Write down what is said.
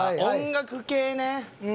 音楽系ね。